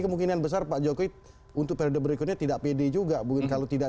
kemungkinan besar pak jokowi untuk periode berikutnya tidak pede juga mungkin kalau tidak